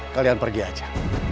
kalian pergi aja